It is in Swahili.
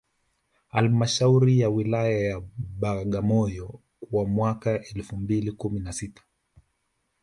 Halmashauri ya Wilaya ya Bagamoyo kwa mwaka elfu mbili kumi na sita